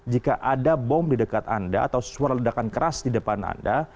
jika ada bom di dekat anda atau suara ledakan keras di depan anda